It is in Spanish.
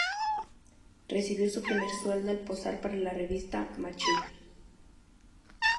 Recibió su primer sueldo al posar para la revista "Machina".